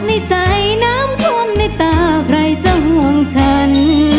ในใจน้ำทนในตาใครจะห่วงฉัน